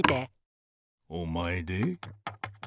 おまえで？